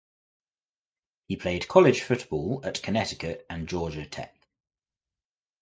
He played college football at Connecticut and Georgia Tech.